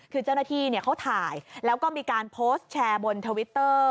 คือเจ้าหน้าที่เขาถ่ายแล้วก็มีการโพสต์แชร์บนทวิตเตอร์